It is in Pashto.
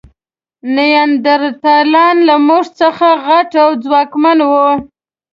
نیاندرتالان له موږ څخه غټ او ځواکمن وو.